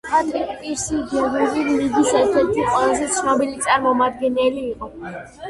პატრიკ პირსი გელური ლიგის ერთ-ერთი ყველაზე ცნობილი წარმომადგენელი იყო.